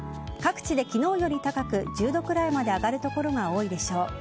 各地で昨日より高く１０度くらいまで上がる所が多いでしょう。